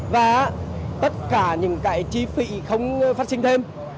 và tất cả những cái chi phí không phát sinh thêm